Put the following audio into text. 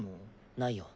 ないよ。